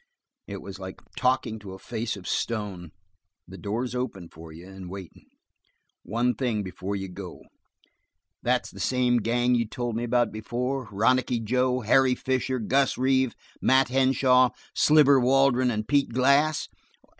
It was like talking to a face of stone. "The door's open for you, and waitin'. One thing before you go. That's the same gang you told me about before? Ronicky Joe, Harry Fisher, Gus Reeve, Mat Henshaw, Sliver Waldron and Pete Glass?"